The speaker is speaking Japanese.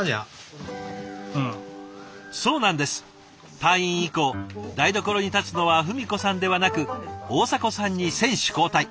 退院以降台所に立つのは文子さんではなく大迫さんに選手交代。